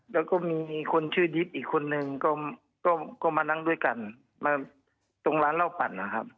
แล้วก็มีคนชื่อยิดอีกคนนึงก็ก็มานั่งด้วยกันมาตรงร้านเหล้าปั่นนะครับ